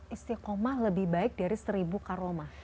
istiqomah lebih baik dari seribu karomah